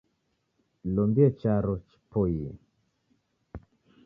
Dilombie charo jipoie